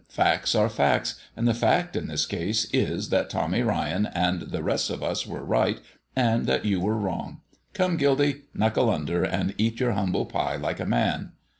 "Facts are facts, and the fact in this case is that Tommy Ryan and the rest of us were right and that you were wrong. Come, Gildy, knuckle under and eat your humble pie like a man."